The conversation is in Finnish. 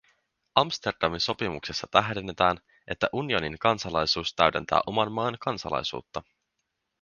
Amsterdamin sopimuksessa tähdennetään, että unionin kansalaisuus täydentää oman maan kansalaisuutta.